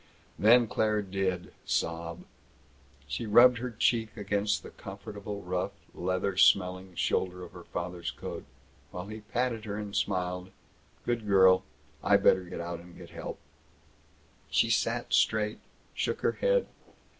Then Claire did sob. She rubbed her cheek against the comfortable, rough, heather smelling shoulder of her father's coat, while he patted her and smiled, "Good girl! I better get out and help." She sat straight, shook her head.